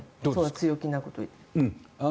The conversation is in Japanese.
強気なことを言って。